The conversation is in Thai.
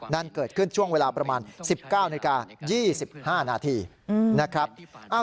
นั่นเกิดขึ้นช่วงเวลาประมาณ๑๙นาที๒๕นาที